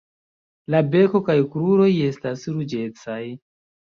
La beko kaj kruroj estas ruĝecaj.